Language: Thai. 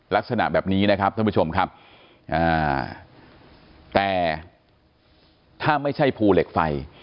ลักษณะแบบนี้นะครับท่านผู้ชมครับแต่ถ้าไม่ใช่ภูเหล็กไฟ